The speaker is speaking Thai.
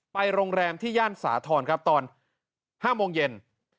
โรงแรมที่ย่านสาธรณ์ครับตอน๕โมงเย็น